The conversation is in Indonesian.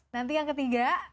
nanti yang ketiga